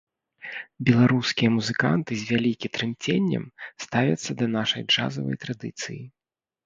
Беларускія музыканты з вялікі трымценнем ставяцца да нашай джазавай традыцыі.